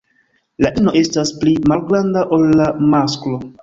La ino estas pli malgranda ol la masklo.